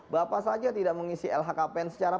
bapak saja tidak mengisi lhkpn secara